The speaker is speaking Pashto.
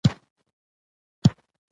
هیڅ مرسته نشم کولی.